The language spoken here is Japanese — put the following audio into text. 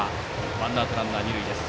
ワンアウトランナー、二塁です。